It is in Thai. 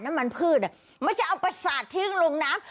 น้ำมันพืชเนี่ยมันจะเอาไปสระทิ้งลงน้ำ